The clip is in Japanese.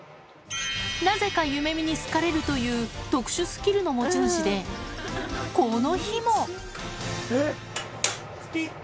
なぜかゆめみに好かれるという特殊スキルの持ち主で、この日も。